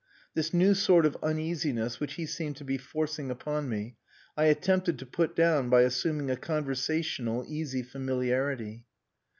This new sort of uneasiness which he seemed to be forcing upon me I attempted to put down by assuming a conversational, easy familiarity.